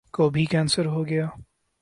کو بھی کینسر ہو گیا ؟